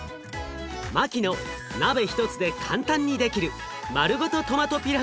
マキの鍋一つで簡単にできるまるごとトマトピラフ